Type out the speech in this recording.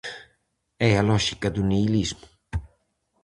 É a lóxica do nihilismo.